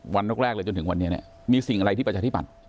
วันแรกเลยจนถึงวันนี้เนี่ยมีสิ่งอะไรที่ประชาธิบัติ